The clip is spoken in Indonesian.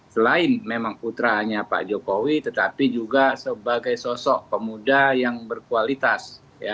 selain memang putranya pak jokowi tetapi juga sebagai sosok pemuda yang berkualitas